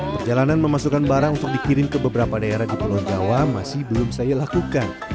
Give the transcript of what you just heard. perjalanan memasukkan barang untuk dikirim ke beberapa daerah di pulau jawa masih belum saya lakukan